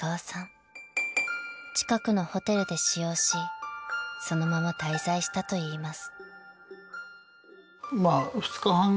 ［近くのホテルで使用しそのまま滞在したといいます］